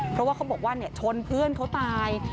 เพราะว่าเขาบอกว่าชนเพื่อนเขาตาย